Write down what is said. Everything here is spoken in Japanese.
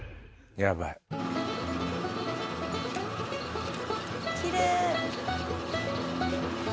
やばい。きれーい。